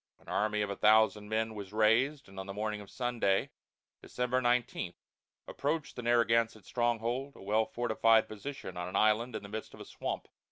An army of a thousand men was raised and on the morning of Sunday, December 19, approached the Narragansett stronghold, a well fortified position on an island in the midst of a swamp.